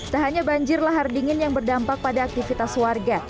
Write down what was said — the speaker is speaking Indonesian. tak hanya banjir lahar dingin yang berdampak pada aktivitas warga